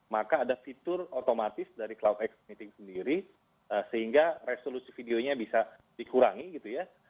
maka ada fitur otomatis dari cloudx meeting sendiri sehingga resolusi videonya bisa dikurangi gitu ya